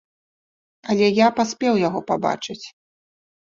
Але я паспеў яго пабачыць.